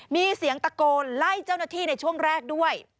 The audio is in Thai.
มีเสียงตะโกนไล่เจ้าหน้าที่ในช่วงแรกด้วย